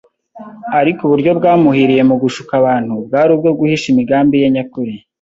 Ariko uburyo bwamuhiriye mu gushuka abantu bwari ubwo guhisha imigambi ye nyakuri